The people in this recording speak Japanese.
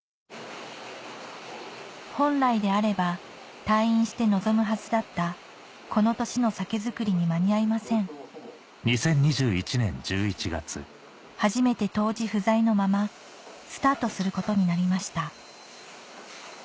本来であれば退院して臨むはずだったこの年の酒造りに間に合いません初めて杜氏不在のままスタートすることになりました